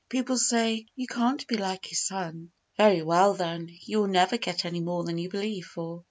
People say, "You can't be like His Son." Very well, then, you will never get any more than you believe for.